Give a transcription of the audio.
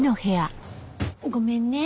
ごめんね。